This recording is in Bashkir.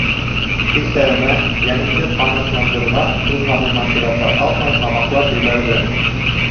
Хистәремә, йәнемде ҡанатландырған илһамыма сыҙаша алмай һамаҡлап ебәрҙем: